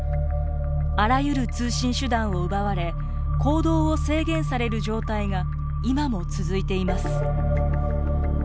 あらゆる通信手段を奪われ行動を制限される状態が今も続いています。